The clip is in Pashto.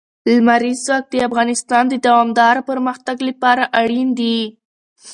لمریز ځواک د افغانستان د دوامداره پرمختګ لپاره اړین دي.